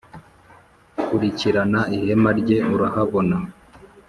kurikirana ihema rye urahabona